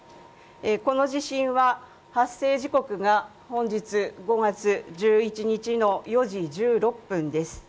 この地震は発生時刻が本日５月１１日の４時１６分です。